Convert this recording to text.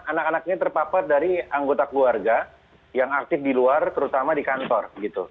anak anak ini terpapar dari anggota keluarga yang aktif di luar terutama di kantor